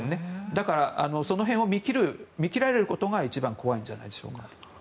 だからその辺を見切られることが一番怖いんじゃないでしょうか。